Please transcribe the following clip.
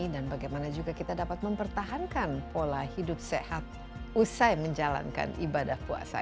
dan bagaimana juga kita dapat mempertahankan pola hidup sehat usai menjalankan ibadah puasa